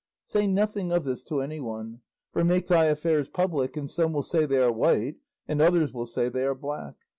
Say nothing of this to anyone; for, make thy affairs public, and some will say they are white and others will say they are black.